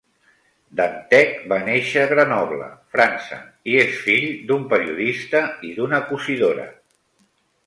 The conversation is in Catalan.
Dantec va néixer a Grenoble, França, i és fill d'un periodista i d'una cosidora.